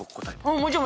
もちろん。